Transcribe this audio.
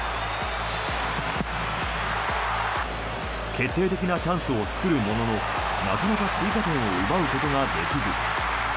決定的なチャンスを作るもののなかなか追加点を奪うことができず。